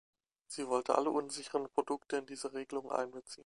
Sie wollte alle unsicheren Produkte in diese Regelung einbeziehen.